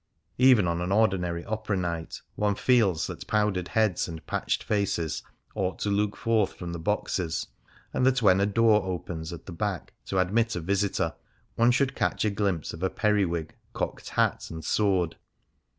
Even on an ordinary opera night one feels that powdered heads and patched faces ought to look forth from the boxes, and that when a door opens at the back to admit a visitor, one should catch a glimpse of periwig, cocked hat, and sword.